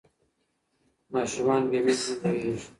ماشومان بې مینې نه لویېږي.